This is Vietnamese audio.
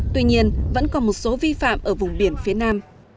tuy nhiên vẫn còn một số vi phạm ở vùng biển phía nam